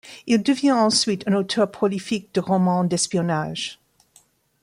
Il devient ensuite un auteur prolifique de roman d'espionnage.